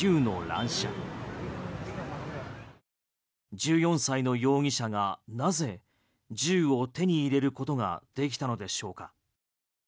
１４歳の容疑者がなぜ銃を手に入れることができたのでしょうか？